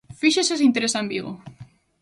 ¡Fíxese se interesa en Vigo!